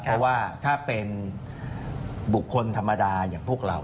เพราะว่าถ้าเป็นบุคคลธรรมดาอย่างพวกเรา